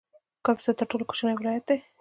کاپیسا تر ټولو کوچنی ولایت دی